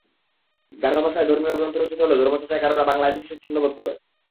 গারো ভাষায় ধর্মীয় গ্রন্থ রচিত হলেও ধর্মচর্চায় গারোরা বাংলায় বেশি স্বাচ্ছন্দ্যবোধ করে।